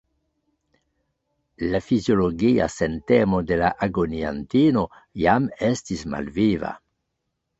La fiziologia sentemo de la agoniantino jam estis malviva.